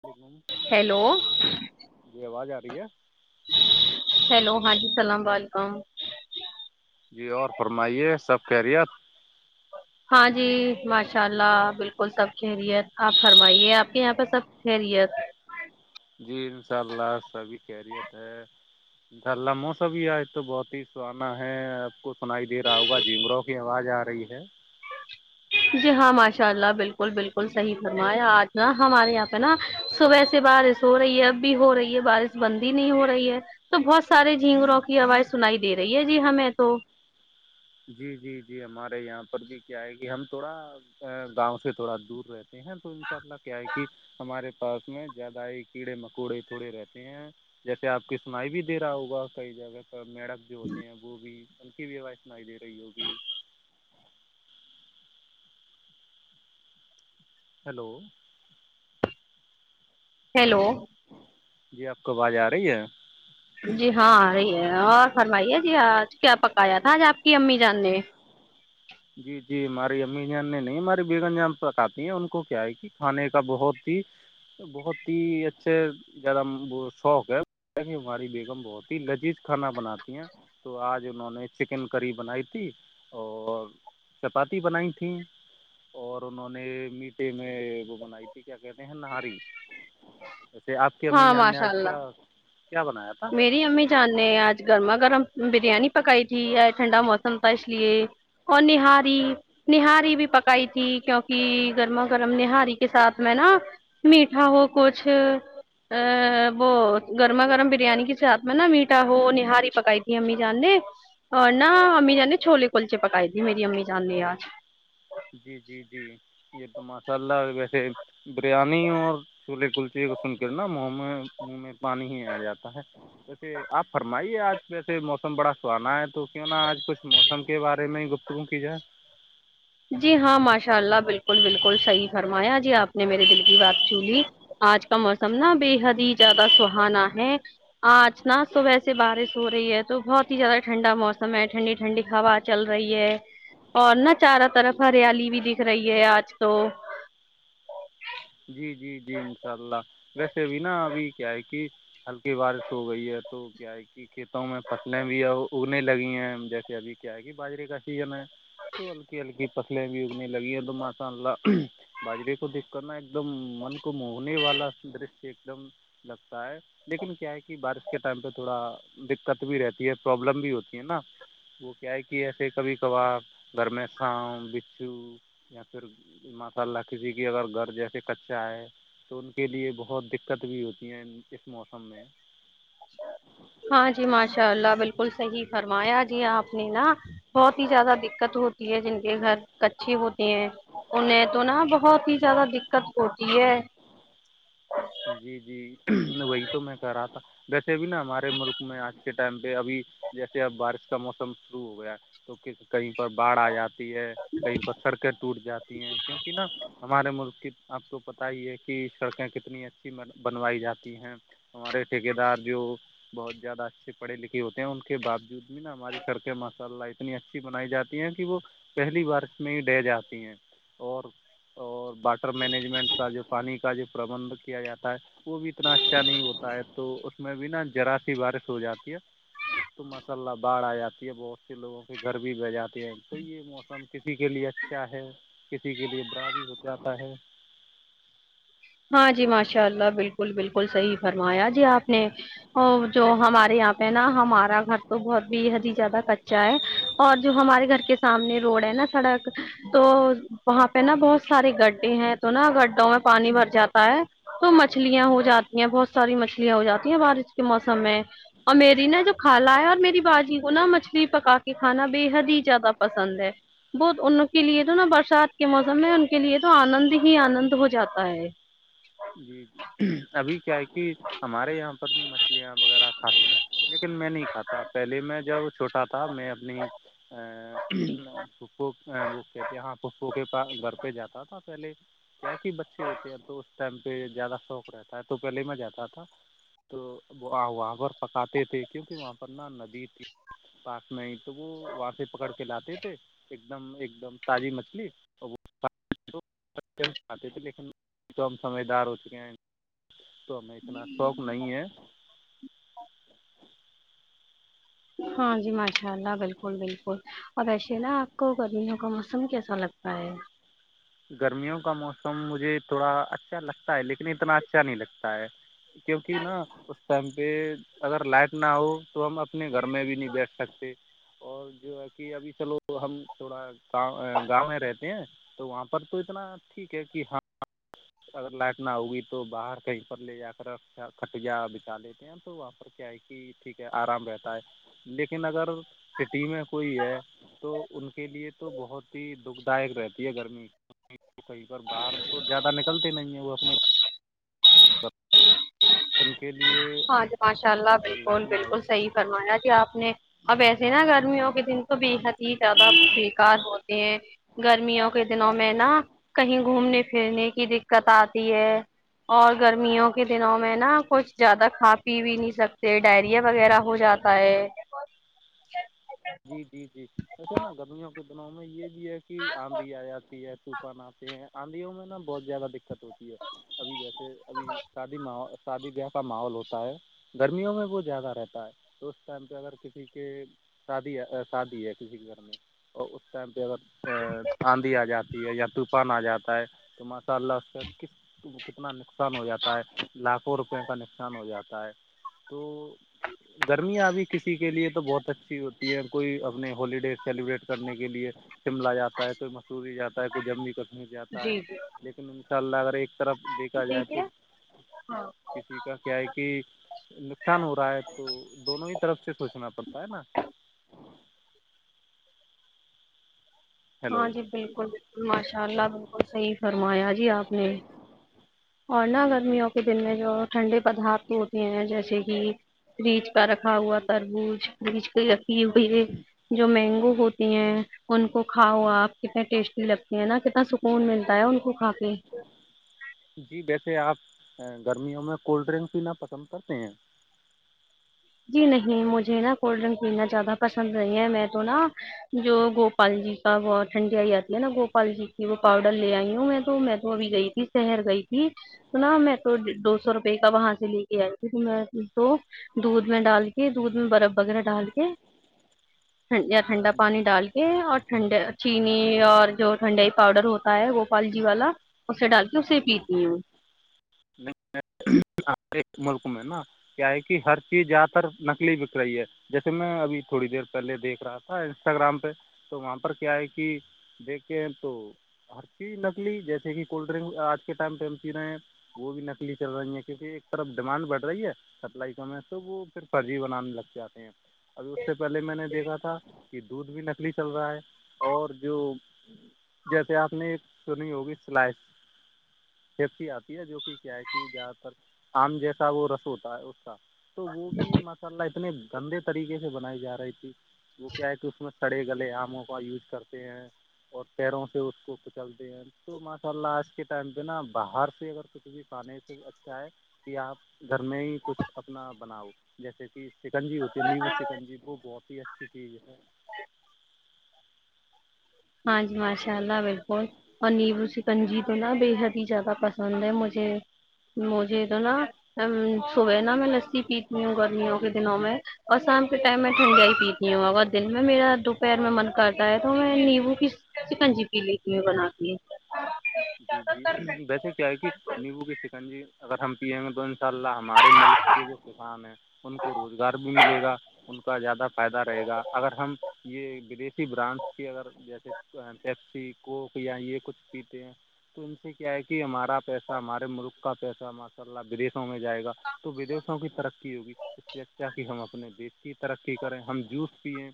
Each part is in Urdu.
ولیکم ہیلو جی آواز آ رہی ہے ہیلو ہاں جی سلام ولکم [unintelligible] جی اور فرمائیے سب خیریت ہاں جی ماشاء اللہ بالکل سب خیریت آپ فرمائیے آپ کے یہاں پہ سب خیریت جی انشاء اللہ سبھی خیریت ہے [unintelligible] دھرلا موسم آج تو بہت ہی سہانا ہے آپ کو سنائی دے رہا ہوگا جم رو آواز آ رہی ہے جی ہاں ماشاء اللہ بالکل بالکل صحیح فرمایا آج نا ہمارے یہاں پہ نا صبح سے بار ہو رہی ہے اب بھی ہو رہی ہے بارش بند ہی نہیں ہو رہی ہے تو بہت سارے جھینگگروروں کی آواز سنائی دے رہی ہے جی ہمیں تو جی جی جی ہمارے یہاں پر بھی کیا ہے کہ ہم تھوڑا گاؤں سے تھوڑا دور رہتے ہیں تو ان شاء اللہ کیا ہے کہ [unintelligible] ہمارے پاس میں زیادہ ہی کیڑے مکوڑے تھوڑے رہتے ہیں جیسے آپ کی سنائی بھی دے رہا ہوگا کئی جگہ میڈک جو ہوتے ہیں وہ بھی ان کی بھی آواز سنائی دے رہی ہوگی ہیلو ہیلو جی آپ کو آواز آ رہی ہے جی ہاں رہی ہے اور فرمائیے جی آج کیا پکایا تھا آج آپ کی امی جان نے جی جی ہماری امی جان نے نہیں ہماراری بیگن جان پکاتتی ہیں ان کو کیا ہے کہ کھانے کا بہت ہی بہت ہی اچھے زیادہ شوق ہے ہماری بیگم بہت ہی لذیذ کھانا بناتی ہیں تو آج انہوں نے چکن کری بنائی تھی اور چپاتی بنائی تھیں اور انہوں نے میٹھے میں وہ بنائی تھی کیا کہتے ہیں نہاری ویسے آپ کی امی ہاں جان نے ماشاء آج اللہ کیا کیا بنایا تھا میری امی جان نے آج گرما گرم بریانی پکائی تھی ٹھنڈا موسم تھا اس لیے اوراری نہاری بھی پکائی تھی کیونکہ گرما گرم نہاری کے ساتھ میں نا میٹھا ہو کچھ ا وہ گرما گرم بھی بریانی کے ساتھ میں نا میٹا ہو نہاری پکائی تھی امی جان نے ن امی جاننی چھوولے کلچے پکائے دی میری امی چانے آ جی جی جی یہ تو ماشاء اللہ ویسے بریانی اور چولہے کلچے کو سن کر نا منہ منہ میں پانی ہی آ جاتا ہے ویسے آپ فرمائیے آج ویسے موسم بڑا تو آنا ہے تو کیوں نا آج کچھ موسم کے بارے میں ہی گپتگو کی جائے جی ہاں ماشاء اللہ بالکل بالکل صحیح فرمایا جی آپ نے میرے دل کی بات چو لی آج کا موسم نا بے حد ہی زیادہ سہانا ہے آج ن تو ویسے بارش ہو رہی ہے تو بہت ہی زیادہ ٹھنڈا موسم ہے ٹھنڈی ٹھنڈی ہوا چل رہی ہے اور نا چاروں طرف ہریالی بھی دکھ رہی ہے آج تو جی جی جی انشاء اللہ ویسے بھی نا ابھی کیا ہے کہ ہلکی بارش ہو گئی ہے تو کیا ہے کہ کھیتوں میں فصلیں بھی اور اگنے لگی ہیں جیسے ابھی کیا ہے کہ باجرے کا سیزن ہے تو ہلکی ہلکی فصلیں بھی اگنے لگی ہیں تو ماشاء اللہ باجرے کو دیکھ کرنا ایک ایک دم من کو موہنے والا درشیہ ایک دم لگتا ہے لیکن کیا ہے کہ بارش کے ٹائم پہ تھوڑا دقت بھی رہتی ہے پرابلم بھی ہوتی ہے نا وہ کیا ہے کہ ایسے کبھی کبھار گھر میں ساؤ بچھو یا پھر ماشاء اللہ کسی کی اگر گھر جیسے کچا ہے تو ان کے لیے بہت دقت بھی ہوتی ہیں اس موسم میں ہاں جی ماشاء اللہ بالکل صحیح فرمایا جی آپ نے نا بہت ہی زیادہ دقت ہوتی ہے جن کے گھر کچے ہوتے ہیں انہیں تو نا بہت ہی زیادہ دقت ہوتی ہے جی جی وہی تو میں کہہ رہا تھا ویسے بھی نا ہمارے ملک میں آج کے ٹائم پہ ابھی جیسے اب بارش کا موسم شروع ہو گیا تو کہیں پر بڑھ آ جاتا کہیں پر سڑکیں ٹوٹ جاتی ہیں کیونکہ نا ہمارے ملک کی آپ کو پتہ ہی ہے کہ سڑکیں کتنی اچھی بنوائی جاتی ہیں ہمارے ٹھیک دار جو بہت زیادہ اچھے پڑے لکھے ہوتے ہیں ان کے باوجود بھی نا ہماری سر کے ماشاء اللہ انی اچھی بنائی جاتی ہے کہ وہ پہلی بار اس میں ہی ڈہ جاتی ہیں اور اور واٹر مینجمنٹ کا جو پانی کا جو پربندھ کیا جاتا ہے وہ بھی اتنا اچھا نہیں ہوتا ہے تو اس میں بھی نا جذرا سی بارش ہو جاتی ہے تو مس اللہ باڑھ آ جاتی ہے بہت سے لوگوں کے گھر بھی بہ جاتے ہیں تو یہ موسم کسی کے لیے اچھا ہے کسی کے لیے برا بھی ہو جاتا ہے ہاں جی ماشاء اللہ بالکل بالکل صحیح فرمایا جی آپ نے اور جو ہمارے یہاں پہ نا ہمارا گھر تو بہت بھی حد ہی زیادہ ک اا ہے اور جو ہمارے گھر کے سامنے روڈ ہے نا سڑک تو وہاں پہ نا بہت سارے گڈے ہیں تو نہا گڈا میں پانی بھر جاتا ہے تو مچھلیاں ہو جاتی ہیں بہت ساری مچھلیاں ہو جاتی ہیں بارش کے موسم میں اور میری نا جو کھا ہے اور میری باجی کو نا مچھلی پکا کے کھانا بے حد ہی زیادہ پسند ہے بہت ان کے لیے تو نا برسات کے موسم میں ان کے لیے تو آنند ہی آنند ہو جاتا ہے جی جی ابھی کیا ہے کہ ہمارے یہاں پر مچھلیاں وغیرہ کھاتے ہیں لیکن میں نہیں کھاتا پہلے میں جب چھوٹا تھا میں اپنی ا پو وہ کہتے ہیں ہاں پو کےا گھر پہ جاتا تھا پہلے کیا کہ بچے ہوتے ہیں تو اس ٹائم پہ زیادہ شوق رہتا ہے تو پہلے ہی میں جاتا تھا تو وہ وہاں پر پکاتے تھے کیونکہ وہاں پر ن ندی تھی پس نہیں تو وہ وہاں سے پکڑ کے لاتے تھے ایک دم ایک دم تازی مچھلی اور وہ کھاتے تھے لیکن [inaudible] تو ہم سمجھدار ہو چکے ہیں تو ہمیں اتنا شوق نہیں ہے ہاں جی ماشاء اللہ بالکل بالکل اور و ایسے نا آپ کو گرمیوں کا موسم کیسا لگتا ہے گرمیوں کا موسم مجھے تھوڑا اچھا لگتا ہے لیکن اتنا اچھا نہیں لگتا ہے کیونکہ نا اس ٹائم پہ اگر لائٹ نہ ہو تو ہم اپنے گھر میں بھی نہیں بیٹھ سکتے اور جو ہے کہ ابھی چلو ہم تھوڑاؤ گاؤں میں رہتے ہیں تو وہاں پہ پر تو اتنا ٹھیک ہے کہ ہاں اگر لائٹ نہ ہوگی تو باہر کہیں پر لے جا کر کھٹیاں بچا لیتے م تو وہاں پر کیا ہے کہ ٹھیک ہے آرام رہتا ہے لیکن اگر سٹی میں کوئی ہے تو ان کے لیے تو بہت ہی دکھ دائک رہتی ہے گرمی کہیں پر باہر تو زیادہ نکلتے نہیں ہے وہ اپنے ان کے لیے ہاں جی ماشاء اللہ اگر بالکل لائٹ نہ ہو بالکل تو صحیح فرمایا جی آپ نے اب ایسے نا گرمیوں کے دن تو بےحد ہی زیادہ بےیکار ہوتے ہیں [inaudible] گرمیوں کے دنوں میں نا کہیں گھومنے پھرنے کی دقت آتی ہے اور گرمیوں کے دنوں میں نا کچھ زیادہ کھا پی بھی نہیں سکتے ڈائریا وغیرہ ہو جاتا ہے جی جی جی ویسے نہ گمیا [unintelligible] دنوں میں یہ بھی ہے کہ آندھی آ جاتی ہے طوفان آتے ہیں آدھیوں میں نا بہت زیادہ دقت ہوتی ہے ابھی جیسے ابھی شادی ماول شادی بیاہ کا ماحول ہوتا ہے گرمیوں میں وہ زیادہ رہتا ہے تو اس ٹائم پہ اگر کسی کے شادی ہے شادی ہے کسی کے گھر میں اور اس ٹائم پہ اگر ا آندھی آ جاتی ہے یا طوفان آ جاتا ہے تو ماشاء اللہ اس کا کس کتنا نقصان ہو جاتا ہے لاکھوں روپئے کا نقصان ہو جاتا ہے تو گرمیاں ابھی کسی کے لیے تو بہت اچھی ہوتی کوئی اپنے ہالیڈے سیلیبریٹ کرنے کے لیے شملہ جاتا ہے کوئی مسوری جاتا کو جم بھی کا پچ جاتا ہے جی جی لیکن ان شاء اللہ اگر ایک طرف دیکھا جائے ٹھیک تو ہے ہاں کسی کا کیا ہے کہ نقصان ہو رہا ہے تو دونوں ہی طرف سے سوچنا پڑتا ہے نا ہاں ہیلو جی بالکل بالکل ماشاء اللہ بالکل صحیح فرمایا جی آپ نے اور نہ جی جی گرمیوں کے دن میں جو ٹھنڈے پدارت ہوتے ہیں جیسے کہ فریج کا رکھا ہوا تربوج فریج کے [inaudible] کی ہو جو مینگو ہوتی ہیں ان کو کھاؤ آپ کتنے ٹیسٹی لگتے ہیں نا کتنا سکون ملتا ہے ان کو کھا کے جی ویسے آپ گرمیوں میں کولڈ ڈرنک بھیینا پسند کرتے ہیں جی نہیں مجھے نا کولڈ ڈرنک پیننا زیادہ پسند نہیں ہے میں تو نا جو گوپال جی کا وہ ٹھنڈی آئی جاتی ہے نا گوپال جی کی وہ پاؤڈر لے آئی ہوں میں تو میں تو ابھی گئی شہر گئی تھی توناا میں تو دو سو روپے کا وہاں سے لے کے آئی تھی کہ میں تو دودھ میں ڈال کے دودھ میں برف وغیرہ ڈال کےڈ ٹھنڈا پانی ڈال کے اور ٹھنڈے چینی اور جو ٹھنڈائی پاؤڈر ہوتا تا ہے گوپال جی والا اسے ڈال کے اسے جی پیتی ہوں جی ایک ملک میں نا کیا ہے کہ ہر چیز زیادہ تر نکلی بک رہی ہے جیسے میں ابھی تھوڑی دیر پہلے دیکھ رہا تھا انسٹاگرام پہ تو وہاں پر کیا ہے کہ دیکھے ہیں تو ہر چیز نکلی جیسے کہ کولڈ ڈرنک آج کے ٹائم ٹم چی رہے ہیں وہ بھی نکلی چل رہی ہیں کیونکہ ایک طرف ڈیمانڈ بڑھ رہی ہے سپلائی ک میں ہے تو وہ پھر فرضی بنانے لگتے جاتے ہیں ابھی اس سے پہلے میں نے دیکھا تھا کہ دودھ بھی نکلی چل رہا ہے اور جو جیسے آپ نے سنی ہوگی سلائ سیفٹی آتی ہے جو کہ کیا ہے کہ زیادہ تر آم جیسا وہ رس ہوتا ہے اس کا تو وہ بھی مساللہ اتنے گندے طریقے سے بنائی جا رہی تھی وہ کیا ہے کہ اس میں سڑے گلے آموں کا یوز کرتے ہیں اور پیروں سے اس کو کچلتے ہیں تو ماشاء اللہ آج کے ٹائم پہ نا باہر سے اگر کچھ بھی پانی سے اچھا ہے کہ آپ گھر میں ہی کچھ اپنا بناؤ جیسے کہ سکنجی ہوتی ہے نیبو سکنجی وہ بہت ہی اچھی چیز ہے ہاں جی ماشاء اللہ بالکل اور نیبو سکنجی تو نا بےحد ہی زیادہ پسند ہے مجھے مجھے تو نا صبح نا میں لسی پیتی ہوں گرمیوں کے دنوں میں اور شام کے ٹائم میں ٹھنڈیائی پیتی ہوں ا دن میں میرا دوپہر میں من کرتا ہے تو میں نیبو پن جی پیلیے کیو بناات کے ہیں جی جی ویسے کیا ہے کہ نیمبو کی چکن جی اگر ہم پیئیں گے تو ان شاء اللہ ہمارے ملک کے جو کسان ہیں [unintelligible] ان کو روزگار بھی ملے گا ان کا زیادہ فائدہ رہے گا اگر ہم یہ ودیشی بران کی اگر جیسے پسی کوک یا یہ کچھ پیتے ہیں تو ان سے کیا ہے کہ ہمارا پیسہ ہمارے ملک کا پیسہ ماشاء اللہ بریس میں جائے گا تو ودیوں کی ترقی ہوگی اس سے کیا کہ ہم اپنے دیش کی ترقی کریں ہم جوس پیئیں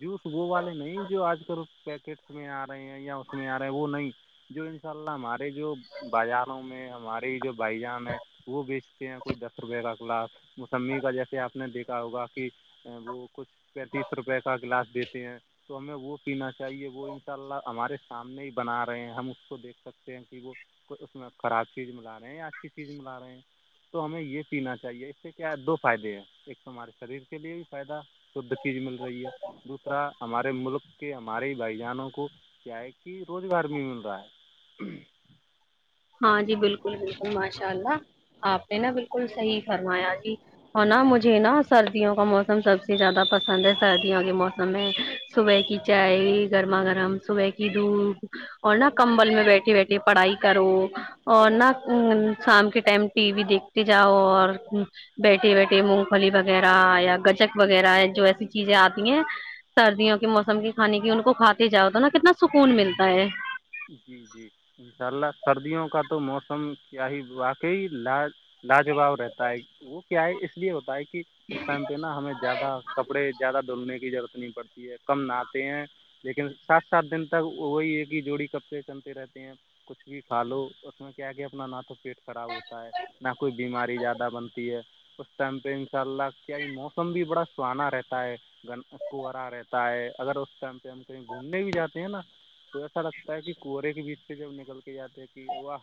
جوس وہ والے نہیں جو آج کل پیکٹس میں آ رہے ہیں یا اس میں آ رہے ہیں وہ نہیں جو ان شاء اللہ ہمارے جو بازاروں میں ہمارے جو بائی جان ہے [unintelligible] وہ بیچتے ہیں کوئی دس روپے کا کلاس موسمی کا جیسے آپ نے دیکھا ہوگا کہ وہ کچھ پینتیس روپے کا گلاس دیتے ہیں تو ہمیں وہ پینا چاہیے وہ ان شاء اللہ ہمارے سامنے ہی بنا رہے ہیں ہم اس کو دیکھ سکتے ہیں کہ وہ اس میں خراب چیز ملا رہے ہیں یا اچھی چیز ملا رہے ہیں تو ہمیں یہ پینا چاہیے اس سے کیا ہے دو فائدے ہیں ایک تو ہمارے شریر کے لیے بھی فائدہ شھ چیز مل رہی ہے [unintelligible] دوسرا ہمارے ملک کے ہمارے بھائی جانوں کو کیا ہے کہ روزگار بھی مل رہا ہے ہوں [unintelligible] ہاں جی بالکل بالکل ماشاء اللہ آپ نے نا بالکل صحیح فرمایا جی اور نا مجھے نا سردیوں کا موسم سب مے زیادہ پسند ہے سردیوں کے موسم میں صبح کی چائے گرما گرم صبح کی [unintelligible] کی دھ اور نہا کمبل میں بیٹھے بیٹھے پڑھائی کرو [unintelligible] اور نہ شام کے ٹائم ٹی وی دیکھتے جاؤ اور بیٹھی بیٹھی مونگ پھلی وغیرہ یا گجک وغیرہ جو ایسی چیزیں آتی ہیں سردیوں کے موسم کے کھے کی ان کو کھاتے جاؤ تو نا کتنا سکون ملتا ہے جی جی ان شاء اللہ سردیوں کا تو موسم کیا ہی واقعی لاج [unintelligible] لاجواب رہتا ہے وہ کیا ہے اس لیے ہوتا ہے کہ اس کیمپینا ہمیں زیادہ کپڑے زیادہ دھلنے کی ضرورت نہیں پڑتی ہے کم نہے ہیں لیکن سات سات دن تک وہی ہے کہ جوڑی سب سے چلتے رہتے ہیں کچھ بھی کھا لو اس میں کیا کہ اپنا نا تو پیٹ خراب ہوتا ہے نہ کوئی بیماری زیادہ بنتی ہے اس ٹائم پہ انشاء اللہ کیا یہ موسم بھی بڑا سہانا رہتا ہے [unintelligible] گ کنرا رہتا ہے اگر اس ٹائم پہ ہم کہیں گھومنے بھی جاتے ہیں نا تو ایسا لتا ہوتا ہے کہ کنرے کے بیچ پہ جب نکل کے جاتے ہیں کہ واہ